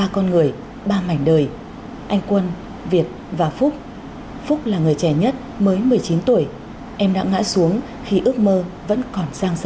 ba con người ba mảnh đời anh quân việt và phúc phúc là người trẻ nhất mới một mươi chín tuổi em đã ngã xuống khi ước mơ vẫn còn giang dở